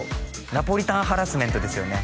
ナポリタンハラスメントですよね